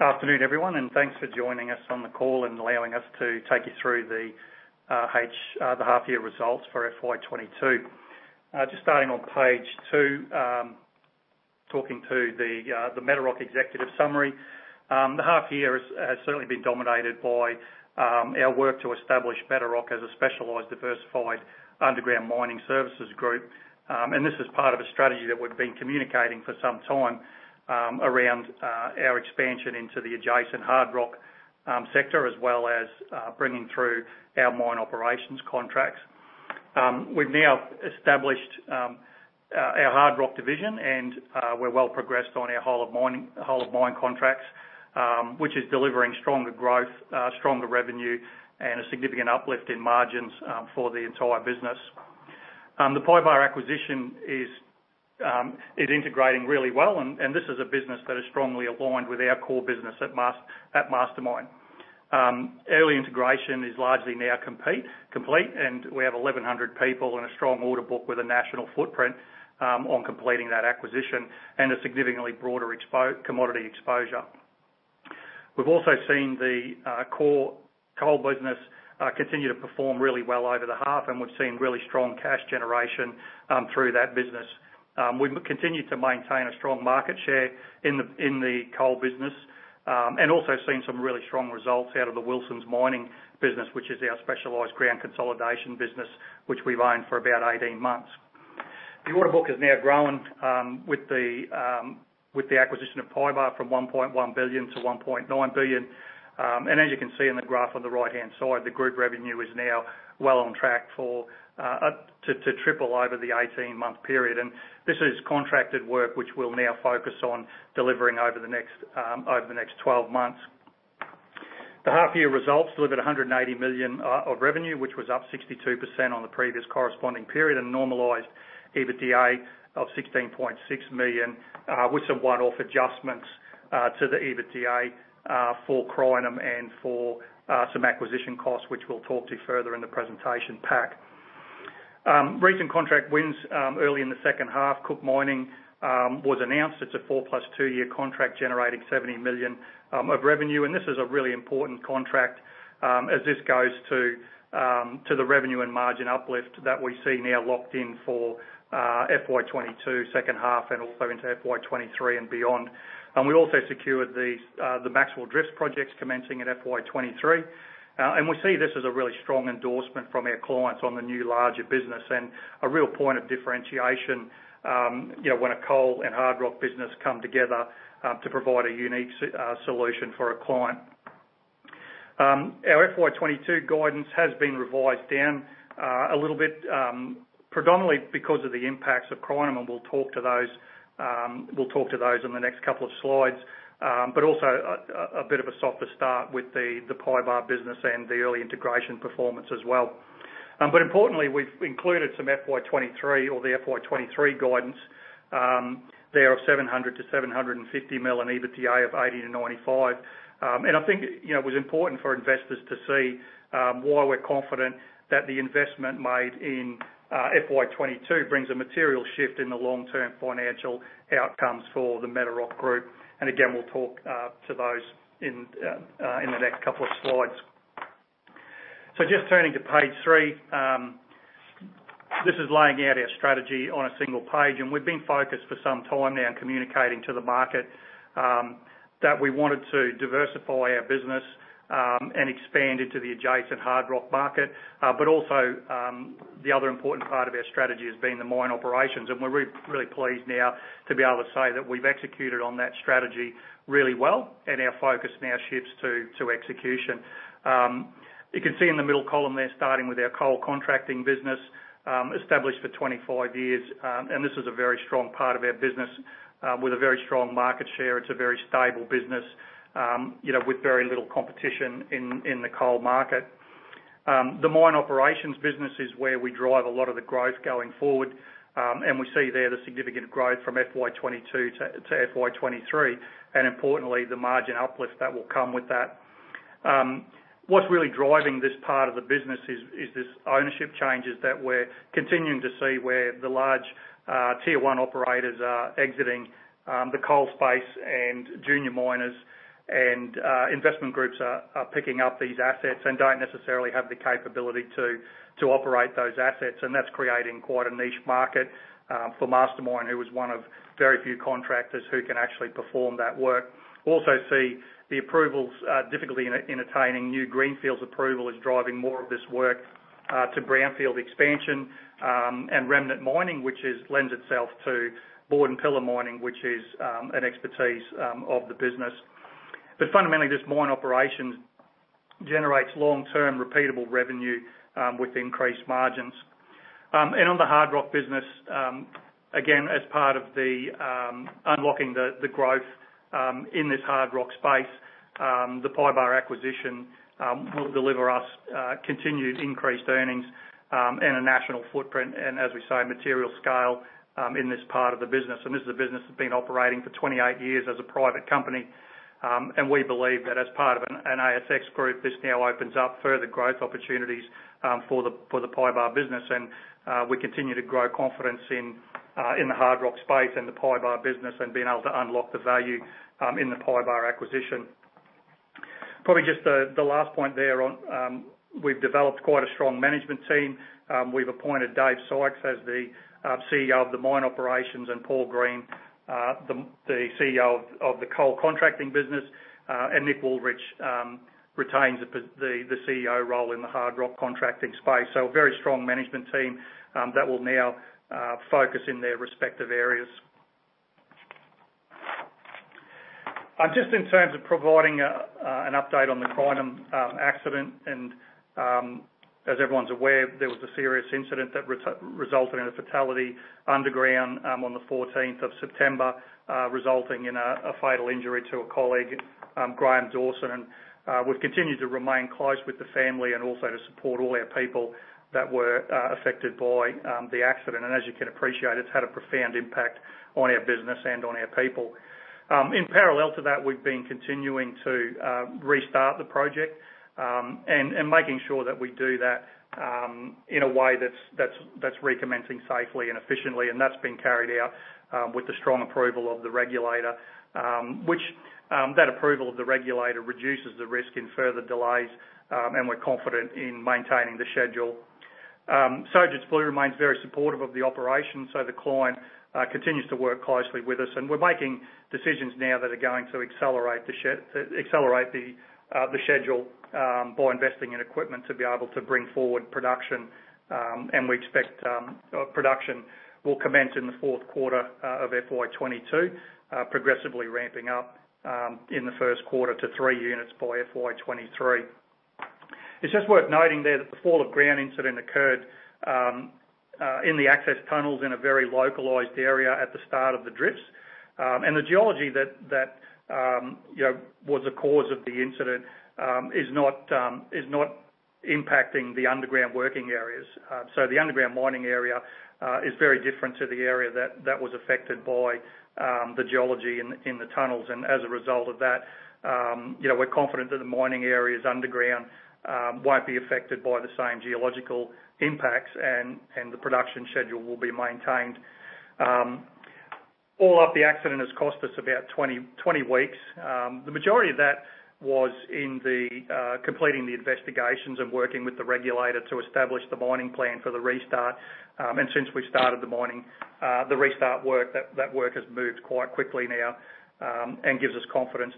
Afternoon, everyone, and thanks for joining us on the call and allowing us to take you through the Half Year Results for FY 2022. Just starting on page two, talking to the Metarock executive summary. The half year has certainly been dominated by our work to establish Metarock as a specialized, diversified underground mining services group. This is part of a strategy that we've been communicating for some time around our expansion into the adjacent hard rock sector, as well as bringing through our mine operations contracts. We've now established our hard rock division and we're well progressed on our whole of mine contracts, which is delivering stronger growth, stronger revenue, and a significant uplift in margins for the entire business. The PYBAR acquisition is integrating really well and this is a business that is strongly aligned with our core business at Mastermyne. Early integration is largely now complete, and we have 1,100 people and a strong order book with a national footprint on completing that acquisition, and a significantly broader commodity exposure. We've also seen the core coal business continue to perform really well over the half, and we've seen really strong cash generation through that business. We've continued to maintain a strong market share in the coal business and also seen some really strong results out of the Wilson Mining business, which is our specialized ground consolidation business, which we've owned for about 18 months. The order book has now grown with the acquisition of PYBAR from 1.1 billion to 1.9 billion. As you can see in the graph on the right-hand side, the group revenue is now well on track to triple over the 18-month period. This is contracted work which we'll now focus on delivering over the next 12 months. The half year results delivered 190 million of revenue, which was up 62% on the previous corresponding period and normalized EBITDA of 16.6 million with some one-off adjustments to the EBITDA for Crinum and for some acquisition costs, which we'll talk to further in the presentation pack. Recent contract wins early in the second half, Cook Colliery, was announced. It's a four+ two-year contract generating 70 million of revenue. This is a really important contract, as this goes to the revenue and margin uplift that we see now locked in for FY 2022 second half and also into FY 2023 and beyond. We also secured the Maxwell Drift projects commencing in FY 2023. We see this as a really strong endorsement from our clients on the new larger business and a real point of differentiation, you know, when a coal and hard rock business come together to provide a unique solution for a client. Our FY 2022 guidance has been revised down a little bit, predominantly because of the impacts of Crinum, and we'll talk to those in the next couple of slides. Also a bit of a softer start with the PYBAR business and the early integration performance as well. Importantly, we've included some FY 2023 or the FY 2023 guidance there of 700 million-750 million and EBITDA of 80 million-95 million. I think, you know, it was important for investors to see why we're confident that the investment made in FY 2022 brings a material shift in the long-term financial outcomes for the Metarock Group. Again, we'll talk to those in the next couple of slides. Just turning to page three, this is laying out our strategy on a single page, and we've been focused for some time now in communicating to the market that we wanted to diversify our business and expand into the adjacent hard rock market. But also, the other important part of our strategy has been the mine operations, and we're really pleased now to be able to say that we've executed on that strategy really well and our focus now shifts to execution. You can see in the middle column there, starting with our coal contracting business, established for 25 years, and this is a very strong part of our business with a very strong market share. It's a very stable business, you know, with very little competition in the coal market. The mine operations business is where we drive a lot of the growth going forward, and we see there the significant growth from FY 2022=FY 2023, and importantly, the margin uplift that will come with that. What's really driving this part of the business is this ownership changes that we're continuing to see where the large tier one operators are exiting the coal space and junior miners and investment groups are picking up these assets and don't necessarily have the capability to operate those assets. That's creating quite a niche market for Mastermyne, who is one of very few contractors who can actually perform that work. Also see the approvals, difficulty in attaining new greenfields approval is driving more of this work to brownfield expansion and remnant mining, which lends itself to bord and pillar mining, an expertise of the business. Fundamentally, this Mine Operations generates long-term repeatable revenue with increased margins. On the hard rock business, again, as part of unlocking the growth in this hard rock space, the PYBAR acquisition will deliver us continued increased earnings and a national footprint, and as we say, material scale in this part of the business. This is a business that's been operating for 28 years as a private company, and we believe that as part of an ASX group, this now opens up further growth opportunities for the PYBAR business. We continue to grow confidence in the hard rock space and the PYBAR business and being able to unlock the value in the PYBAR acquisition. Probably just the last point there on we've developed quite a strong management team. We've appointed David Sykes as the CEO of Mine Operations, and Paul Green the CEO of Coal Contracting, and Nick Woolrych retains the CEO role in Hard Rock Contracting. A very strong management team that will now focus in their respective areas. Just in terms of providing an update on the Crinum accident and, as everyone's aware, there was a serious incident that resulted in a fatality underground on the fourteenth of September, resulting in a fatal injury to a colleague, Graham Dawson. We've continued to remain close with the family and also to support all our people that were affected by the accident. As you can appreciate, it's had a profound impact on our business and on our people. In parallel to that, we've been continuing to restart the project and making sure that we do that in a way that's recommencing safely and efficiently. That's been carried out with the strong approval of the regulator, which approval of the regulator reduces the risk in further delays, and we're confident in maintaining the schedule. Sojitz Blue remains very supportive of the operation, so the client continues to work closely with us. We're making decisions now that are going to accelerate the schedule by investing in equipment to be able to bring forward production. We expect production will commence in the fourth quarter of FY 2022, progressively ramping up in the first quarter to three units by FY 2023. It's just worth noting there that the fall of ground incident occurred in the access tunnels in a very localized area at the start of the drifts. The geology that you know was the cause of the incident is not impacting the underground working areas. The underground mining area is very different to the area that was affected by the geology in the tunnels. As a result of that, you know, we're confident that the mining areas underground won't be affected by the same geological impacts and the production schedule will be maintained. All up, the accident has cost us about 20 weeks. The majority of that was in the completing the investigations and working with the regulator to establish the mining plan for the restart. Since we started the mining, the restart work, that work has moved quite quickly now, and gives us confidence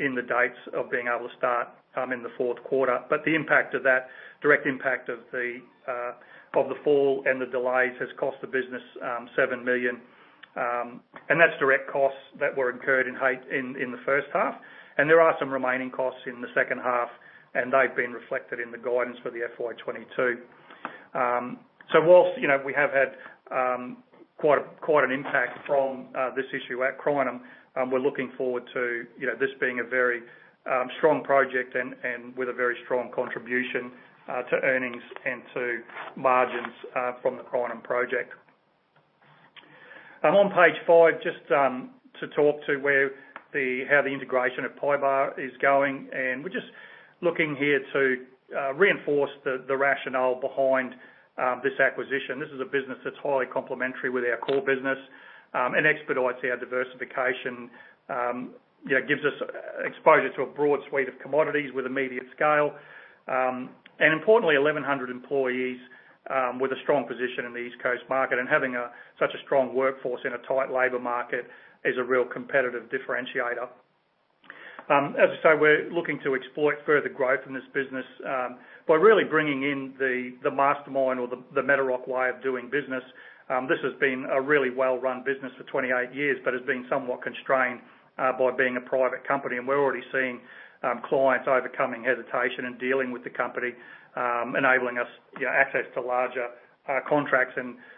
in the dates of being able to start in the fourth quarter. The direct impact of the fall and the delays has cost the business 7 million, and that's direct costs that were incurred in H1, in the first half. There are some remaining costs in the second half, and they've been reflected in the guidance for FY 2022. Whilst, you know, we have had quite an impact from this issue at Crinum, we're looking forward to, you know, this being a very strong project and with a very strong contribution to earnings and to margins from the Crinum project. I'm on page five, just to talk about how the integration of PYBAR is going. We're just looking here to reinforce the rationale behind this acquisition. This is a business that's highly complementary with our core business and expedites our diversification, you know, gives us exposure to a broad suite of commodities with immediate scale. Importantly, 1,100 employees with a strong position in the East Coast market. Having such a strong workforce in a tight labor market is a real competitive differentiator. As I say, we're looking to exploit further growth in this business by really bringing in the Mastermyne or the Metarock way of doing business. This has been a really well-run business for 28 years but has been somewhat constrained by being a private company. We're already seeing clients overcoming hesitation in dealing with the company, enabling us, you know, access to larger contracts.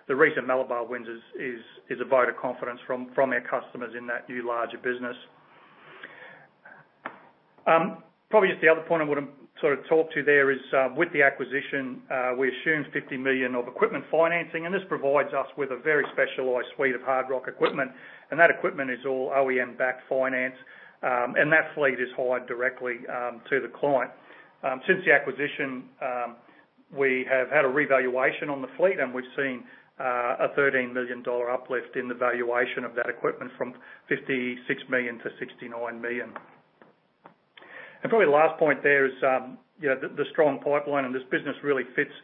The recent Malabar wins is a vote of confidence from our customers in that new larger business. Probably just the other point I wanna sort of talk to there is, with the acquisition, we assumed 50 million of equipment financing, and this provides us with a very specialized suite of hard rock equipment, and that equipment is all OEM-backed finance. And that fleet is hired directly to the client. Since the acquisition, we have had a revaluation on the fleet, and we've seen a 13 million dollar uplift in the valuation of that equipment from 56 million to 69 million. Probably the last point there is, you know, the strong pipeline in this business really fits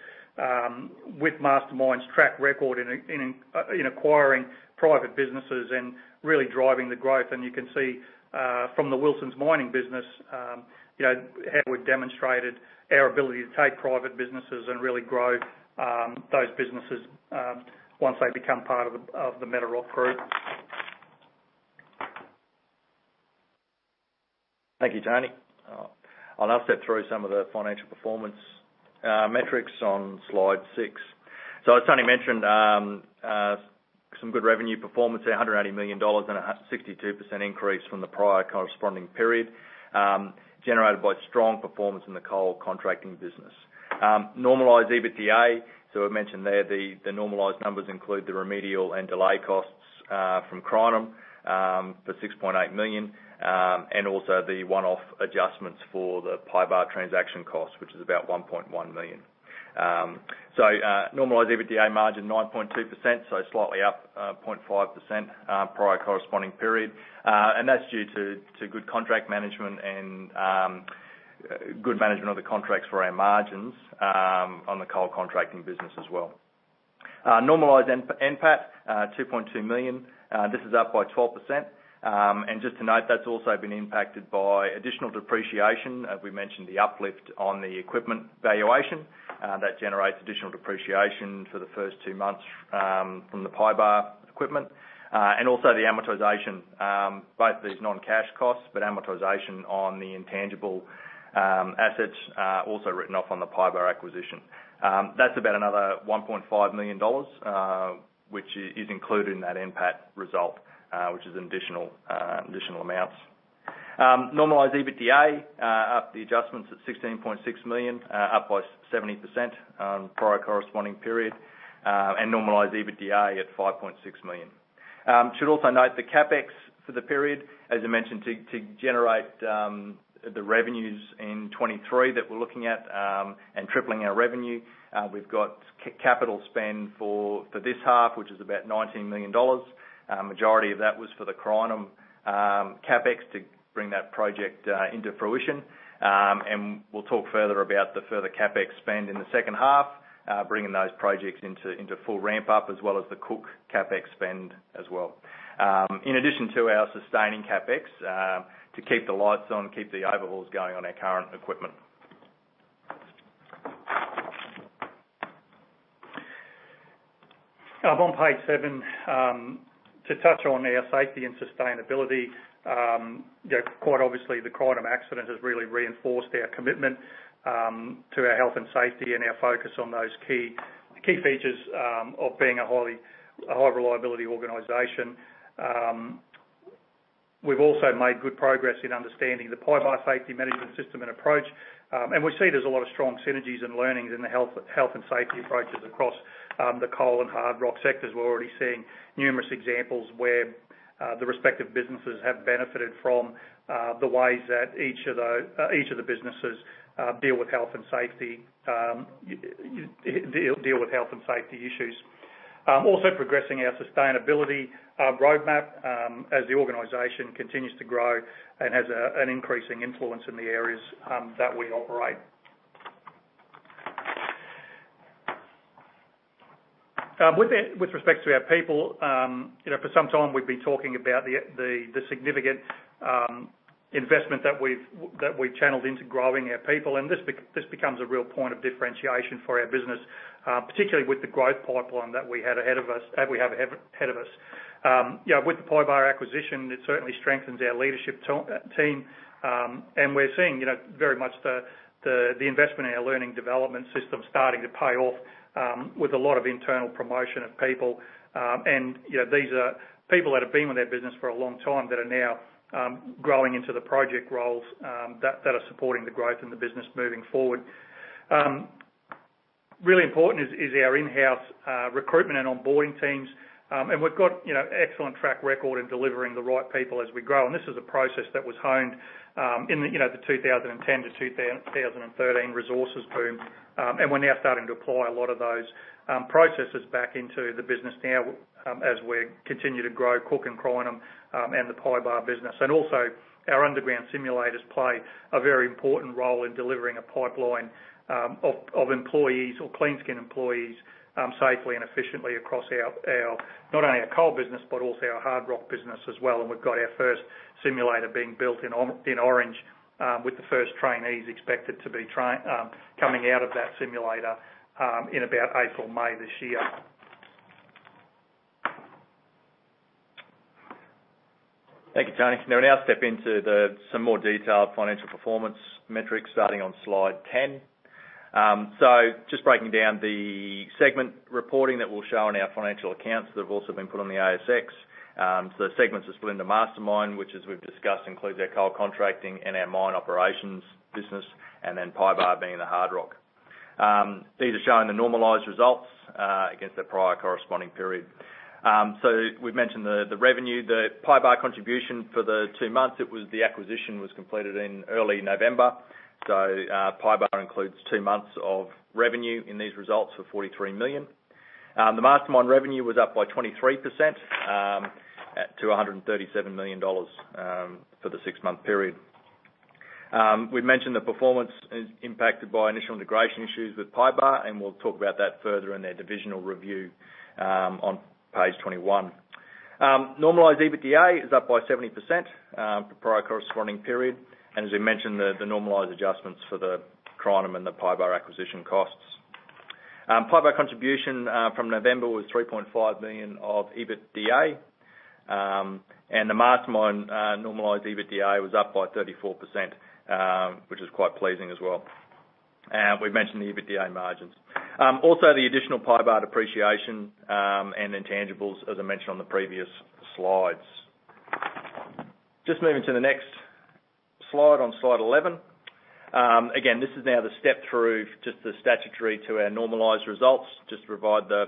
with Mastermyne's track record in acquiring private businesses and really driving the growth. You can see from the Wilson Mining business, you know, how we've demonstrated our ability to take private businesses and really grow those businesses once they become part of the Metarock Group. Thank you, Tony. I'll now step through some of the financial performance metrics on slide six. As Tony mentioned, some good revenue performance at 180 million dollars and a 62% increase from the prior corresponding period, generated by strong performance in the coal contracting business. Normalized EBITDA, we've mentioned there the normalized numbers include the remedial and delay costs from Crinum for 6.8 million, and also the one-off adjustments for the PYBAR transaction cost, which is about 1.1 million. Normalized EBITDA margin 9.2%, slightly up 0.5% prior corresponding period. That's due to good contract management and good management of the contracts for our margins on the coal contracting business as well. Normalized NPAT 2.2 million. This is up by 12%. Just to note, that's also been impacted by additional depreciation, as we mentioned, the uplift on the equipment valuation, that generates additional depreciation for the first two months from the PYBAR equipment. Also the amortization, both these non-cash costs, but amortization on the intangible assets also written off on the PYBAR acquisition. That's about another 1.5 million dollars, which is included in that NPAT result, which is additional amounts. Normalized EBITDA up, the adjustments at 16.6 million, up by 70% prior corresponding period, and normalized EBITDA at 5.6 million. Should also note the CapEx for the period, as I mentioned, to generate the revenues in 2023 that we're looking at and tripling our revenue. We've got capital spend for this half, which is about 19 million dollars. Majority of that was for the Crinum CapEx to bring that project into fruition. We'll talk further about the further CapEx spend in the second half, bringing those projects into full ramp up, as well as the Cook CapEx spend as well. In addition to our sustaining CapEx to keep the lights on, keep the overhauls going on our current equipment. On page seven, to touch on our safety and sustainability, you know, quite obviously the Crinum accident has really reinforced our commitment to our health and safety and our focus on those key features of being a high-reliability organization. We've also made good progress in understanding the PYBAR safety management system and approach. We see there's a lot of strong synergies and learnings in the health and safety approaches across the coal and hard rock sectors. We're already seeing numerous examples where the respective businesses have benefited from the ways that each of the businesses deal with health and safety issues. Also progressing our sustainability roadmap as the organization continues to grow and has an increasing influence in the areas that we operate. With respect to our people, you know, for some time we've been talking about the significant investment that we've channeled into growing our people. This becomes a real point of differentiation for our business, particularly with the growth pipeline that we had ahead of us, and we have ahead of us. You know, with the PYBAR acquisition, it certainly strengthens our leadership team, and we're seeing, you know, very much the investment in our learning development system starting to pay off, with a lot of internal promotion of people. you know, these are people that have been with our business for a long time that are now growing into the project roles that are supporting the growth in the business moving forward. Really important is our in-house recruitment and onboarding teams. we've got, you know, excellent track record in delivering the right people as we grow. this is a process that was honed, you know, in the 2010 to 2013 resources boom. we're now starting to apply a lot of those processes back into the business now as we continue to grow Cook and Crinum and the PYBAR business. Also our underground simulators play a very important role in delivering a pipeline of employees or cleanskin employees safely and efficiently across our not only our coal business, but also our hard rock business as well. We've got our first simulator being built in Orange with the first trainees expected to be coming out of that simulator in about April, May this year. Thank you, Tony. Can I now step into some more detailed financial performance metrics starting on slide 10. Just breaking down the segment reporting that we'll show on our financial accounts that have also been put on the ASX. The segments are Segment Mastermyne, which as we've discussed, includes our coal contracting and our mine operations business, and then PYBAR being the hard rock. These are showing the normalized results against the prior corresponding period. We've mentioned the revenue, the PYBAR contribution for the two months. The acquisition was completed in early November. PYBAR includes two months of revenue in these results for 43 million. The Mastermyne revenue was up by 23% at 237 million dollars for the six-month period. We've mentioned the performance is impacted by initial integration issues with PYBAR, and we'll talk about that further in the divisional review, on page 21. Normalized EBITDA is up by 70% for prior corresponding period. As we mentioned, the normalized adjustments for the Crinum and the PYBAR acquisition costs. PYBAR contribution from November was 3.5 million of EBITDA, and the Mastermyne normalized EBITDA was up by 34%, which is quite pleasing as well. We've mentioned the EBITDA margins. Also the additional PYBAR depreciation and intangibles, as I mentioned on the previous slides. Just moving to the next slide, on Slide 11. Again, this is now the step through just the statutory to our normalized results, just to provide the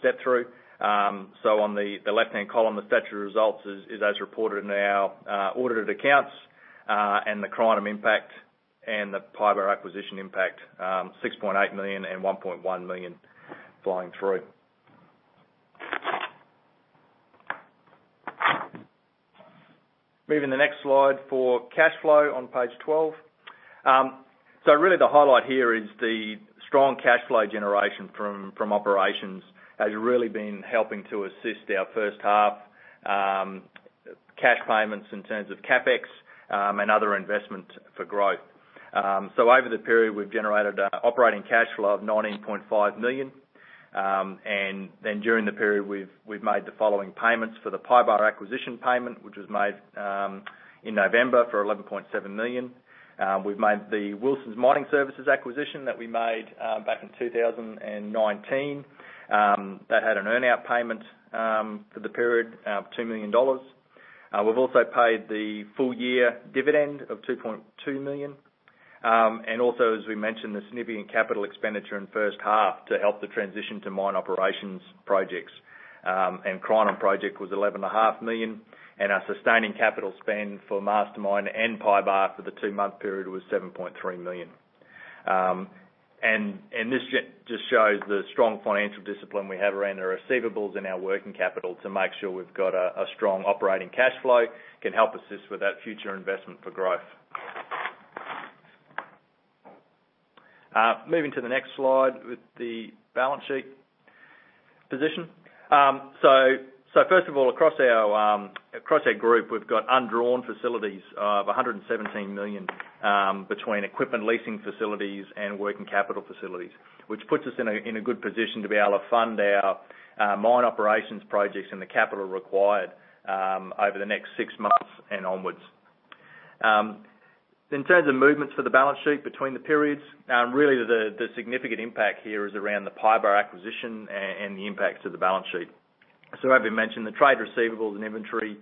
step through. On the left-hand column, the statutory results is as reported in our audited accounts. The Crinum impact and the PYBAR acquisition impact, 6.8 million and 1.1 million flowing through. Moving to the next slide for cash flow on page 12. Really the highlight here is the strong cash flow generation from operations has really been helping to assist our first half cash payments in terms of CapEx and other investment for growth. Over the period, we've generated operating cash flow of 19.5 million. During the period, we've made the following payments for the PYBAR acquisition payment, which was made in November for 11.7 million. We've made the Wilson Mining Services acquisition that we made back in 2019. That had an earn-out payment for the period of 2 million dollars. We've also paid the full year dividend of 2.2 million. As we mentioned, the significant capital expenditure in first half to help the transition to mine operations projects and Crinum project was 11.5 million, and our sustaining capital spend for Mastermyne and PYBAR for the two-month period was 7.3 million. This just shows the strong financial discipline we have around our receivables and our working capital to make sure we've got a strong operating cash flow, can help assist with that future investment for growth. Moving to the next slide with the balance sheet position. First of all, across our group, we've got undrawn facilities of 117 million between equipment leasing facilities and working capital facilities, which puts us in a good position to be able to fund our mine operations projects and the capital required over the next six months and onwards. In terms of movements for the balance sheet between the periods, really the significant impact here is around the PYBAR acquisition and the impacts to the balance sheet. As we mentioned, the trade receivables and inventory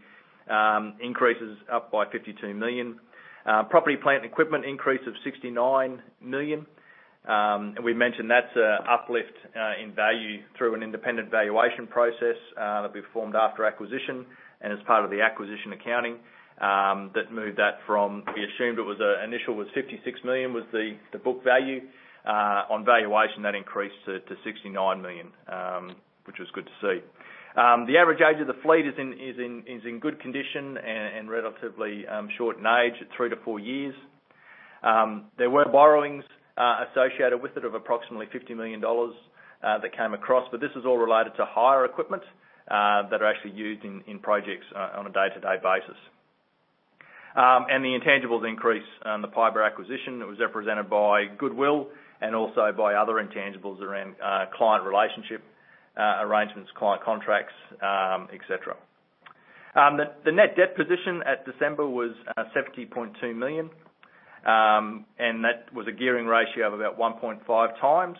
increases up by 52 million. Property, Plant and Equipment increase of 69 million. We mentioned that's an uplift in value through an independent valuation process that we formed after acquisition and as part of the acquisition accounting that moved that from what we assumed it was, initial 56 million, the book value. On valuation, that increased to 69 million, which was good to see. The average age of the fleet is in good condition and relatively short in age, at three-four years. There were borrowings associated with it of approximately 50 million dollars that came across, but this is all related to hire equipment that are actually used in projects on a day-to-day basis. The intangibles increase, the PYBAR acquisition was represented by goodwill and also by other intangibles around client relationship arrangements, client contracts, etc. The net debt position at December was 70.2 million. That was a gearing ratio of about 1.5 times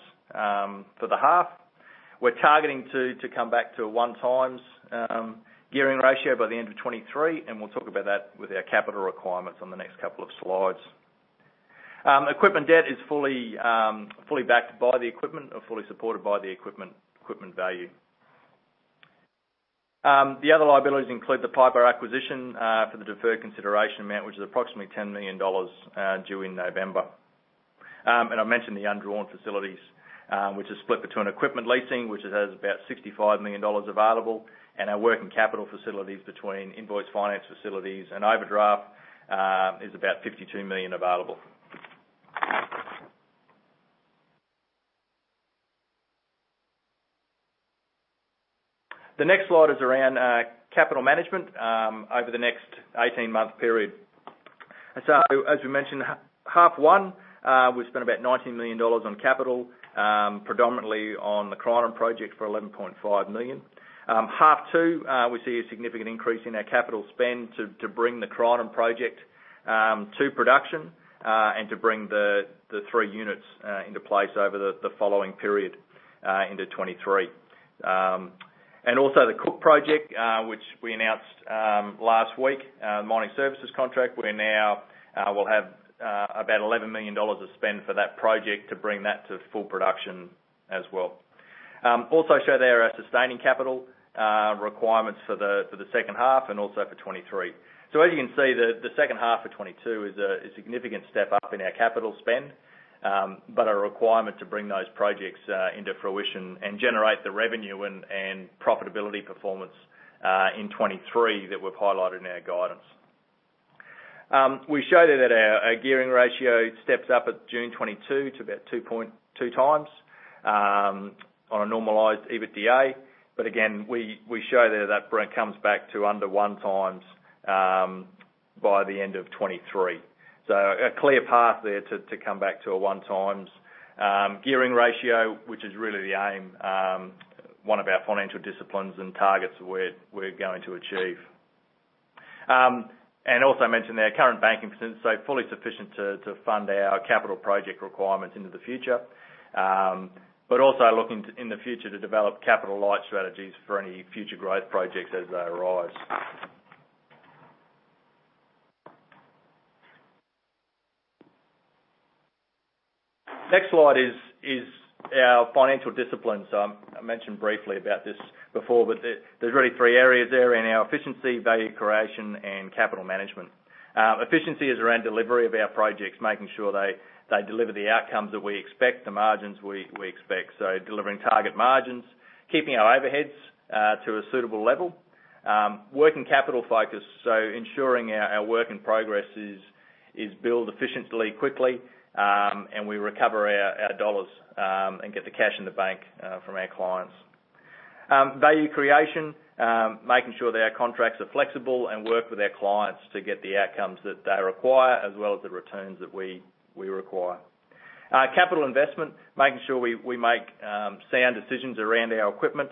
for the half. We're targeting to come back to a one times gearing ratio by the end of 2023, and we'll talk about that with our capital requirements on the next couple of slides. Equipment debt is fully backed by the equipment or fully supported by the equipment value. The other liabilities include the PYBAR acquisition for the deferred consideration amount, which is approximately 10 million dollars due in November. I mentioned the undrawn facilities, which is split between equipment leasing, which it has about 65 million dollars available, and our working capital facilities between invoice finance facilities and overdraft, is about 52 million available. The next slide is around capital management over the next 18-month period. As we mentioned, H1 we spent about 19 million dollars on capital, predominantly on the Crinum project for 11.5 million. H2 we see a significant increase in our capital spend to bring the Crinum project to production, and to bring the three units into place over the following period, into 2023. Also the Cook project, which we announced last week, mining services contract, we now will have about 11 million dollars of spend for that project to bring that to full production as well. We also show there our sustaining capital requirements for the second half and also for 2023. As you can see, the second half of 2022 is a significant step up in our capital spend, but a requirement to bring those projects into fruition and generate the revenue and profitability performance in 2023 that we've highlighted in our guidance. We show there that our gearing ratio steps up at June 2022 to about 2.2 times on a normalized EBITDA. We show there that comes back to under one times by the end of 2023. A clear path there to come back to a one times gearing ratio, which is really the aim, one of our financial disciplines and targets we're going to achieve. Also mentioned our current banking facilities, fully sufficient to fund our capital project requirements into the future, but also looking to in the future to develop capital light strategies for any future growth projects as they arise. Next slide is our financial disciplines. I mentioned briefly about this before, but there's really three areas there in our efficiency, value creation, and capital management. Efficiency is around delivery of our projects, making sure they deliver the outcomes that we expect, the margins we expect. Delivering target margins, keeping our overheads to a suitable level. Working capital focus, ensuring our work in progress is billed efficiently, quickly, and we recover our dollars and get the cash in the bank from our clients. Value creation, making sure that our contracts are flexible and work with our clients to get the outcomes that they require as well as the returns that we require. Capital investment, making sure we make sound decisions around our equipment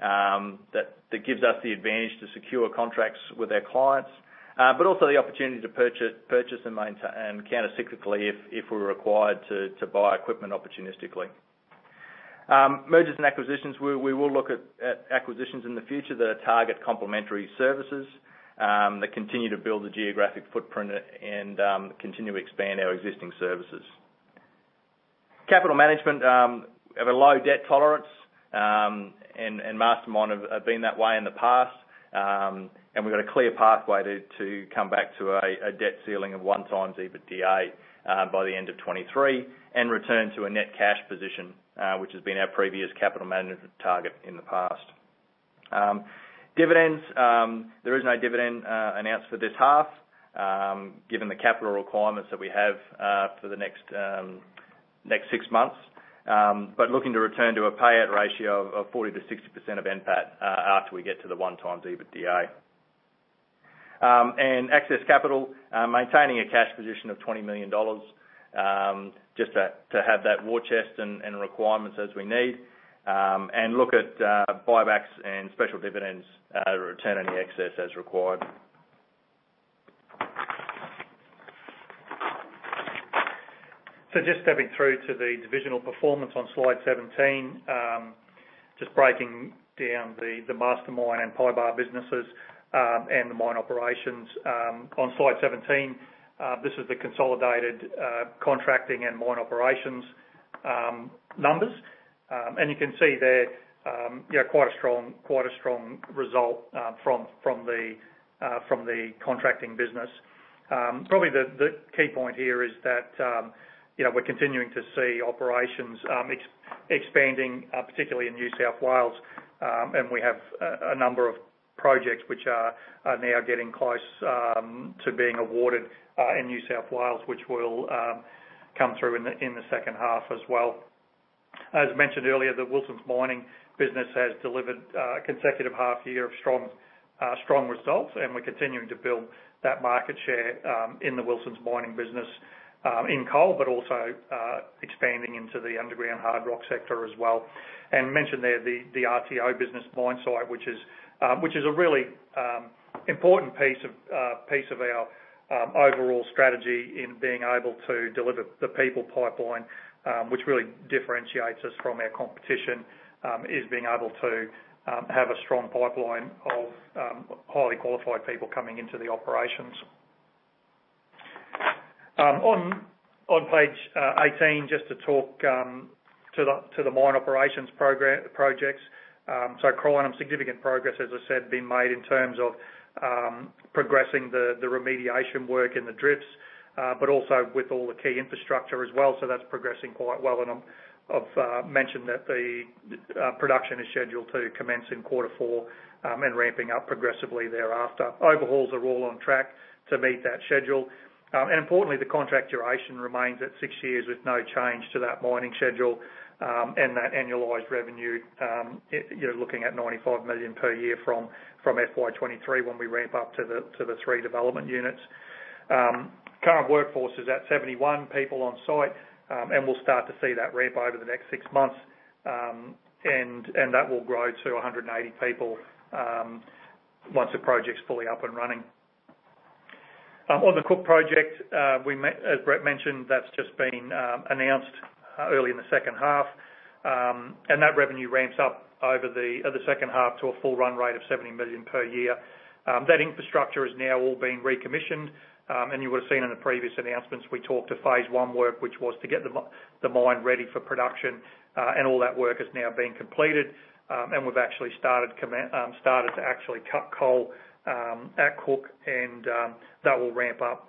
that gives us the advantage to secure contracts with our clients. But also the opportunity to purchase and maintain and countercyclically if we're required to buy equipment opportunistically. Mergers and acquisitions, we will look at acquisitions in the future that target complementary services that continue to build the geographic footprint and continue to expand our existing services. Capital management, we have a low debt tolerance, and Mastermyne have been that way in the past. We've got a clear pathway to come back to a debt ceiling of one times EBITDA by the end of 2023, and return to a net cash position which has been our previous capital management target in the past. Dividends, there is no dividend announced for this half, given the capital requirements that we have for the next six months. Looking to return to a payout ratio of 40%-60% of NPAT after we get to the 1x EBITDA. Excess capital, maintaining a cash position of 20 million dollars just to have that war chest and requirements as we need, and look at buybacks and special dividends to return any excess as required. Just stepping through to the divisional performance on slide 17. Just breaking down the Mastermyne and PYBAR businesses and the mine operations. On slide 17, this is the consolidated contracting and mine operations numbers. And you can see there, you know, quite a strong result from the contracting business. Probably the key point here is that, you know, we're continuing to see operations expanding, particularly in New South Wales. We have a number of projects which are now getting close to being awarded in New South Wales, which will come through in the second half as well. As mentioned earlier, the Wilson Mining business has delivered consecutive half year of strong results, and we're continuing to build that market share in the Wilson Mining business in coal, but also expanding into the underground hard rock sector as well. Mentioned there the RTO business, MyneSight, which is a really important piece of our overall strategy in being able to deliver the people pipeline, which really differentiates us from our competition is being able to have a strong pipeline of highly qualified people coming into the operations. On page 18, just to talk to the mine operations projects. Crinum, significant progress, as I said, been made in terms of progressing the remediation work in the drifts, but also with all the key infrastructure as well. That's progressing quite well. I've mentioned that the production is scheduled to commence in quarter four, and ramping up progressively thereafter. Overhauls are all on track to meet that schedule. Importantly, the contract duration remains at six years with no change to that mining schedule, and that annualized revenue, you're looking at 95 million per year from FY 2023 when we ramp up to the three development units. Current workforce is at 71 people on site, and we'll start to see that ramp over the next six months. That will grow to 180 people once the project's fully up and running. On the Cook project, as Brett mentioned, that's just been announced early in the second half. That revenue ramps up over the second half to a full run rate of 70 million per year. That infrastructure is now all being recommissioned. You would have seen in the previous announcements, we talked to phase one work, which was to get the mine ready for production, and all that work has now been completed. We've actually started to actually cut coal at Cook and that will ramp up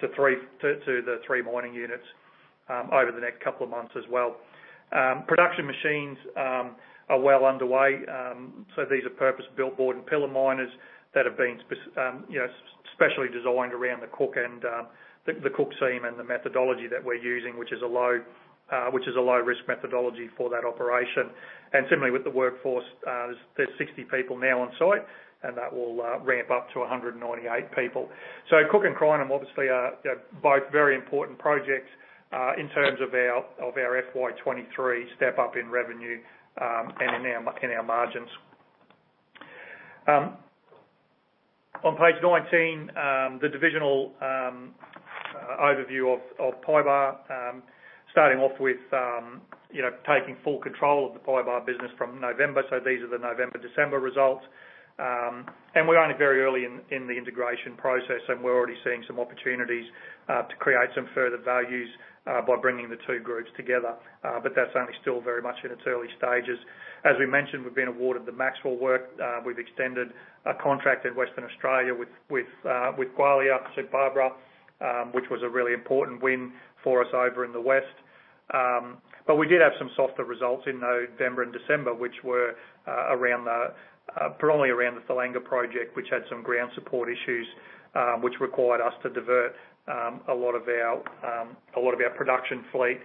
to the three mining units over the next couple of months as well. Production machines are well underway. So these are purpose-built bord and pillar miners that have been specially designed around the Cook and the Cook seam and the methodology that we're using, which is a low risk methodology for that operation. Similarly with the workforce, there's 60 people now on site, and that will ramp up to 198 people. Cook and Crinum obviously are, you know, both very important projects in terms of our FY 2023 step up in revenue and in our margins. On page 19, the divisional overview of PYBAR. Starting off with, you know, taking full control of the PYBAR business from November. These are the November, December results. We're only very early in the integration process, and we're already seeing some opportunities to create some further values by bringing the two groups together. That's only still very much in its early stages. As we mentioned, we've been awarded the Maxwell work. We've extended a contract in Western Australia with Gwalia at St Barbara, which was a really important win for us over in the West. We did have some softer results in November and December, which were predominantly around the Thalanga project, which had some ground support issues, which required us to divert a lot of our production fleet,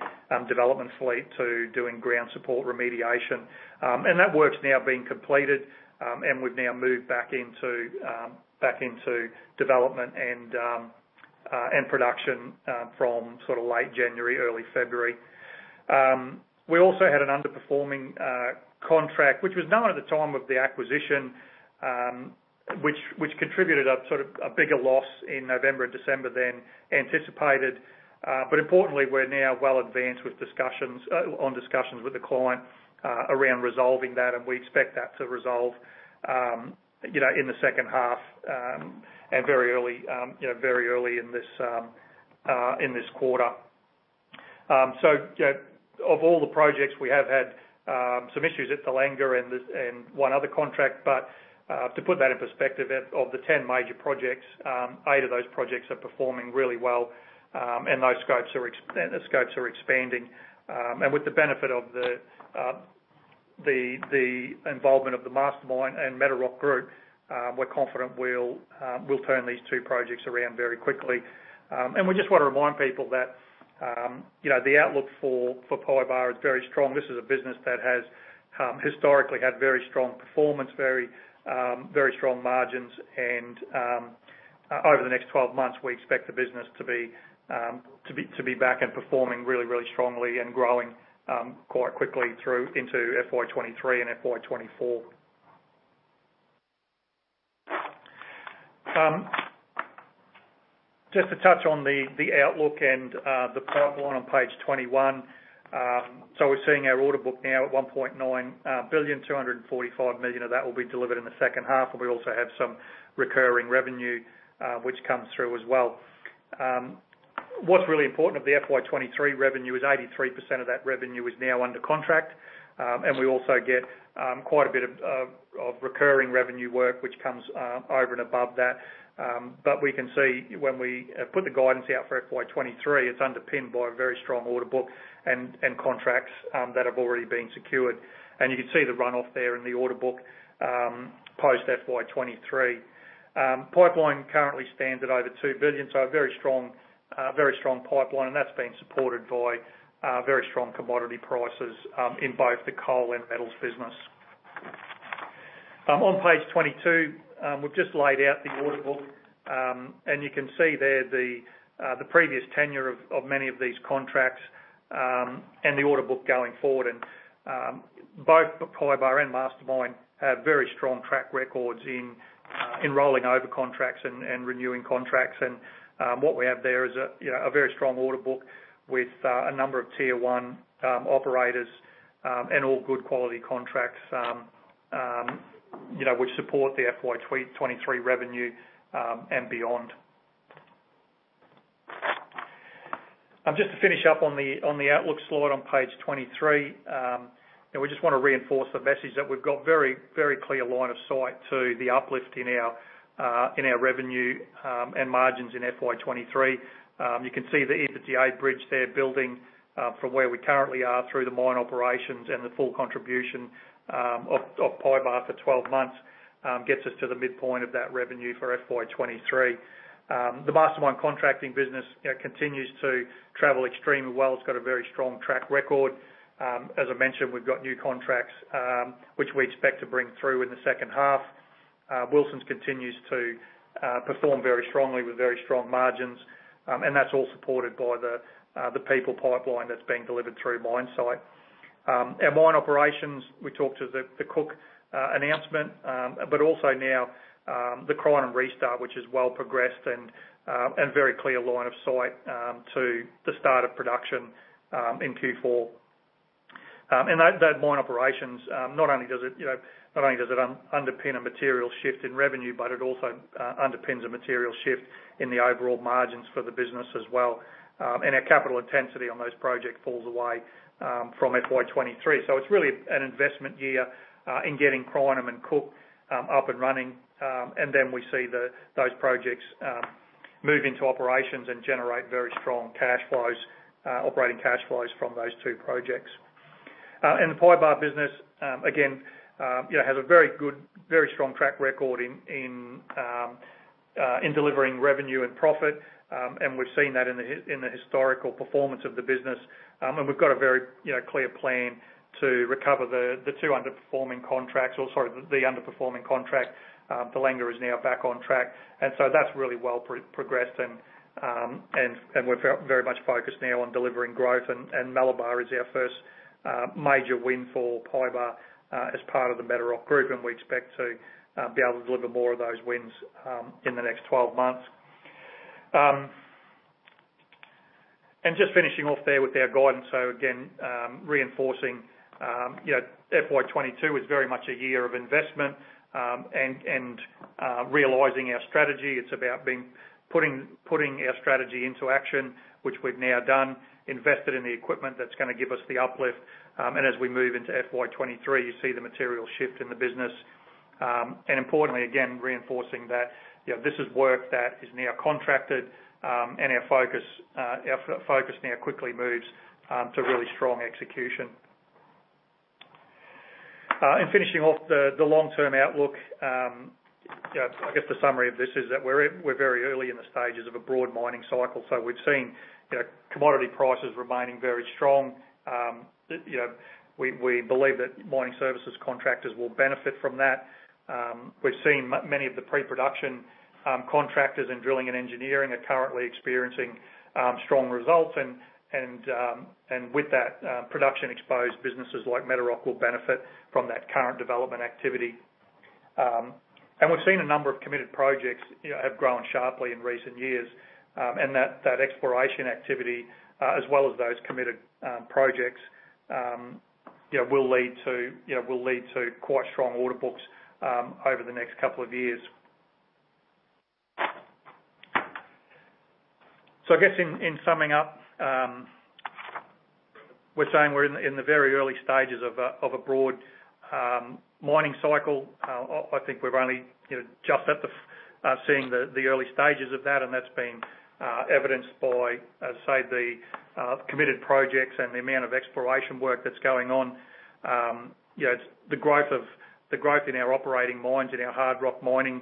development fleet to doing ground support remediation. That work's now been completed, and we've now moved back into development and production from sort of late January, early February. We also had an underperforming contract, which was known at the time of the acquisition, which contributed sort of a bigger loss in November and December than anticipated. Importantly, we're now well advanced with discussions with the client around resolving that, and we expect that to resolve, you know, in the second half and very early in this quarter. You know, of all the projects, we have had some issues at Thalanga and this and one other contract. To put that in perspective, of the 10 major projects, eight of those projects are performing really well, and those scopes are expanding. With the benefit of the involvement of the Mastermyne and Metarock Group, we're confident we'll turn these two projects around very quickly. We just wanna remind people that, you know, the outlook for PYBAR is very strong. This is a business that has historically had very strong performance, very strong margins. Over the next 12 months, we expect the business to be back and performing really strongly and growing quite quickly through into FY 2023 and FY 2024. Just to touch on the outlook and the pipeline on page 21. We're seeing our order book now at 1.9 billion, 245 million of that will be delivered in the second half, and we also have some recurring revenue which comes through as well. What's really important of the FY 2023 revenue is 83% of that revenue is now under contract. We also get quite a bit of recurring revenue work, which comes over and above that. We can see when we put the guidance out for FY 2023, it's underpinned by a very strong order book and contracts that have already been secured. You can see the run-off there in the order book post FY 2023. The pipeline currently stands at over 2 billion, so a very strong pipeline, and that's been supported by very strong commodity prices in both the coal and metals business. On page 22, we've just laid out the order book. You can see there the previous tenure of many of these contracts, and the order book going forward. Both PYBAR and Mastermyne have very strong track records in rolling over contracts and renewing contracts. What we have there is, you know, a very strong order book with a number of tier one operators, and all good quality contracts, you know, which support the FY 2023 revenue and beyond. Just to finish up on the outlook slide on page 23, you know, we just wanna reinforce the message that we've got very, very clear line of sight to the uplift in our in our revenue and margins in FY 2023. You can see the EBITDA bridge there building from where we currently are through the mine operations and the full contribution of PYBAR for 12 months gets us to the midpoint of that revenue for FY 2023. The Mastermyne contracting business, you know, continues to travel extremely well. It's got a very strong track record. As I mentioned, we've got new contracts which we expect to bring through in the second half. Wilson Mining continues to perform very strongly with very strong margins. That's all supported by the people pipeline that's being delivered through MyneSight. Our mine operations, we talked about the Cook announcement, but also now the Crinum restart, which is well progressed and very clear line of sight to the start of production in Q4. That mine operations, you know, not only underpins a material shift in revenue, but it also underpins a material shift in the overall margins for the business as well. Our capital intensity on those projects falls away from FY 2023. It's really an investment year in getting Crinum and Cook up and running. We see those projects move into operations and generate very strong cash flows, operating cash flows from those two projects. The PYBAR business, again, you know, has a very good, very strong track record in delivering revenue and profit. We've seen that in the historical performance of the business. We've got a very, you know, clear plan to recover the two underperforming contracts, or, sorry, the underperforming contract. Thalanga is now back on track, and so that's really well progressed, and we're very much focused now on delivering growth. Malabar is our first major win for PYBAR, as part of the Metarock Group, and we expect to be able to deliver more of those wins in the next 12 months. Just finishing off there with our guidance. Again, reinforcing, you know, FY 2022 is very much a year of investment and realizing our strategy. It's about putting our strategy into action, which we've now done, invested in the equipment that's gonna give us the uplift. As we move into FY 2023, you see the material shift in the business. Importantly, again, reinforcing that, you know, this is work that is now contracted, and our focus now quickly moves to really strong execution. Finishing off the long-term outlook. You know, I guess the summary of this is that we're very early in the stages of a broad mining cycle. We've seen, you know, commodity prices remaining very strong. You know, we believe that mining services contractors will benefit from that. We've seen many of the pre-production contractors in drilling and engineering are currently experiencing strong results. With that, production exposed businesses like Metarock will benefit from that current development activity. We've seen a number of committed projects, you know, have grown sharply in recent years. That exploration activity as well as those committed projects, you know, will lead to quite strong order books over the next couple of years. I guess in summing up, we're saying we're in the very early stages of a broad mining cycle. I think we're only, you know, just seeing the early stages of that, and that's been evidenced by say the committed projects and the amount of exploration work that's going on. You know, the growth in our operating mines and our hard rock mining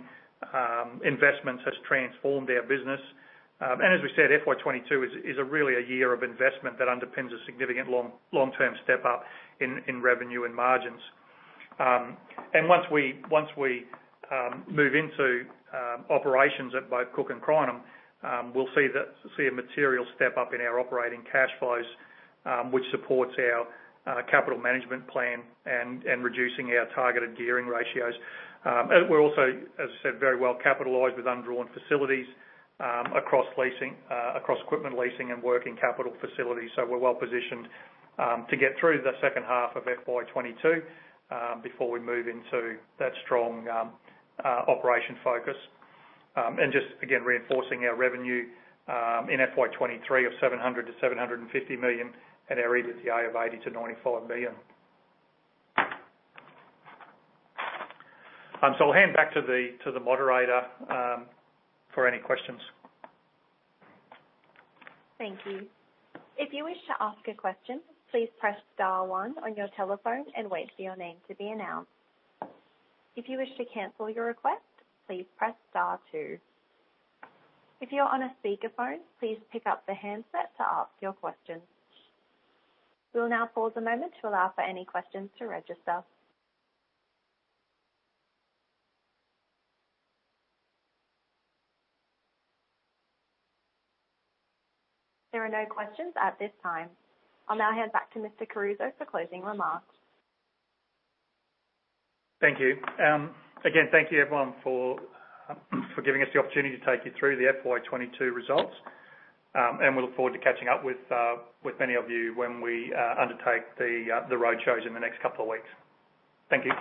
investments has transformed our business. As we said, FY 2022 is really a year of investment that underpins a significant long-term step up in revenue and margins. Once we move into operations at both Cook and Crinum, we'll see a material step up in our operating cash flows, which supports our capital management plan and reducing our targeted gearing ratios. We're also, as I said, very well capitalized with undrawn facilities across equipment leasing and working capital facilities. We're well positioned to get through the second half of FY 2022 before we move into that strong operational focus. Just again, reinforcing our revenue in FY 2023 of 700 million-750 million and our EBITDA of 80 million-95 million. I'll hand back to the moderator for any questions. Thank you. If you wish to ask a question, please press star one on your telephone and wait for your name to be announced. If you wish to cancel your request, please press star two. If you're on a speakerphone, please pick up the handset to ask your question. We'll now pause a moment to allow for any questions to register. There are no questions at this time. I'll now hand back to Mr. Caruso for closing remarks. Thank you. Again, thank you everyone for giving us the opportunity to take you through the FY 2022 results. We look forward to catching up with many of you when we undertake the roadshows in the next couple of weeks. Thank you.